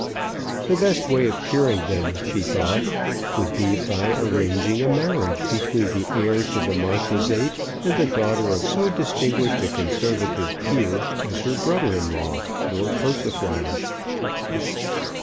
The best way of curing them, she thought, would be by arranging a marriage between the heir to the Marquisate and the daughter of so distinguished a conservative Peer as her brother in law, Lord Persiflage.